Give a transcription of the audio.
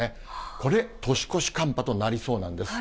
これ、年越し寒波となりそうなんです。